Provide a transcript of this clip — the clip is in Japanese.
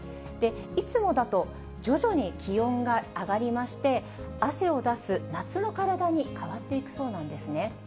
いつもだと徐々に気温が上がりまして、汗を出す夏の体に変わっていくそうなんですね。